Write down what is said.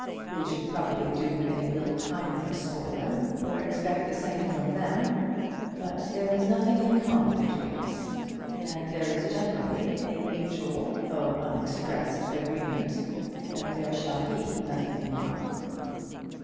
We should probably do any little kindness for them, or expect the same from them; but there is nothing in common between us, and there is generally a mutual though unexpressed agreement that there shall be nothing in common.